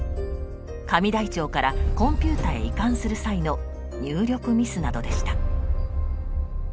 紙台帳からコンピュータへ移管する際の入力ミスなどでした。